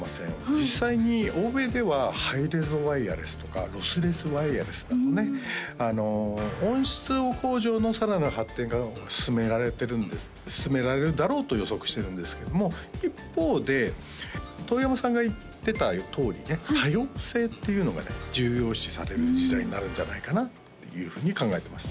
実際に欧米ではハイレゾワイヤレスとかロスレスワイヤレスなどね音質向上のさらなる発展が進められるだろうと予測してるんですけども一方で遠山さんが言ってたとおりね多様性っていうのがね重要視される時代になるんじゃないかなっていうふうに考えてます